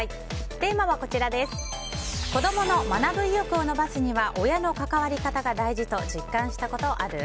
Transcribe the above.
テーマは子供の学ぶ意欲を伸ばすには親の関わり方が大事と実感したことある？